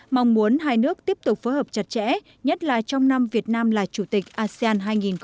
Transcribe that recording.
mong muốn hai nước tiếp tục phối hợp chặt chẽ nhất là trong năm việt nam là chủ tịch asean hai nghìn hai mươi